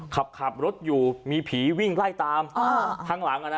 ขับรถอยู่มีผีวิ่งไล่ตามข้างหลังอ่ะนะ